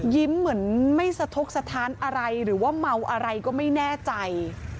เหมือนไม่สะทกสถานอะไรหรือว่าเมาอะไรก็ไม่แน่ใจ